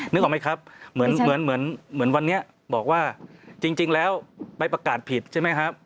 นึกออกไหมครับเหมือนเหมือนวันนี้บอกว่าจริงแล้วไปประกาศผิดใช่ไหมครับ